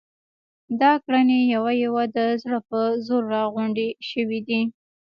دا ګړنی یوه یوه د زړه په زور را غونډې شوې دي.